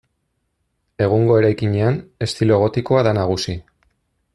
Egungo eraikinean, estilo gotikoa da nagusi.